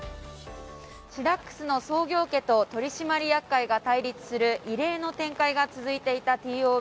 シダックスの創業家と取締役会が対立する異例の展開が続いていたＴＯＢ。